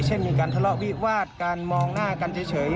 เช่นมีการทะเลาะวิวาดการมองหน้ากันเฉย